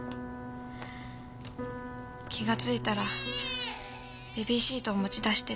気がついたらベビーシートを持ち出してて。